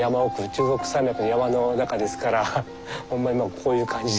中国山脈の山の中ですからほんまにこういう感じです。